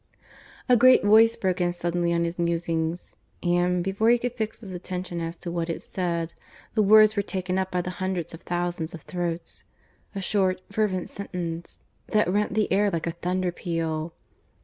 A great voice broke in suddenly on his musings; and, before he could fix his attention as to what it said, the words were taken up by the hundreds of thousands of throats a short, fervent sentence that rent the air like a thunder peal.